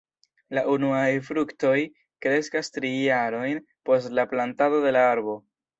La unuaj fruktoj kreskas tri jarojn post la plantado de la arbo.